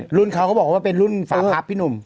รุ่นเขาก็บอกว่าเป็นรุ่นฟ้าพับพี่หนุ่ม